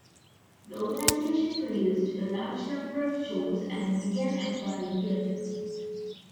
The organization produced a large number of shows and began acquiring theaters.